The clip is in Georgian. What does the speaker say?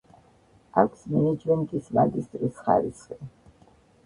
აქვს მენეჯმენტის მაგისტრის ხარისხი.